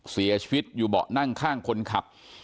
เสียชีวิตอยู่เบาะนั่งข้างคนขับ